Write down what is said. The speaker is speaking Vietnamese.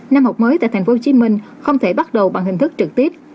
năm học mới tại tp hcm không thể bắt đầu bằng hình thức trực tiếp